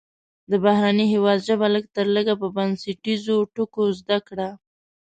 د بهرني هیواد ژبه لږ تر لږه په بنسټیزو ټکو زده کړه.